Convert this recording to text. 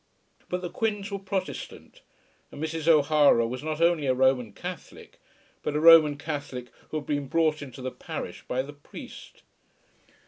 But the Quins were Protestant, and Mrs. O'Hara was not only a Roman Catholic, but a Roman Catholic who had been brought into the parish by the priest.